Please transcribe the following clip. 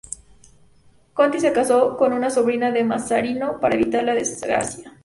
Conti se casó con una sobrina de Mazarino para evitar la desgracia.